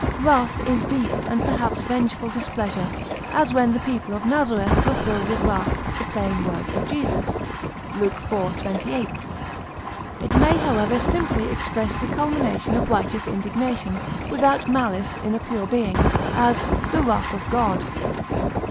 Wrath is deep and perhaps vengeful displeasure, as when the people of Nazareth were "filled with wrath" at the plain words of Jesus (Luke iv, 28); it may, however, simply express the culmination of righteous indignation without malice in a pure being; as, the wrath of God.